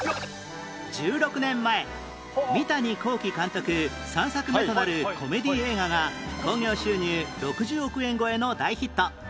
１６年前三谷幸喜監督３作目となるコメディー映画が興行収入６０億円超えの大ヒット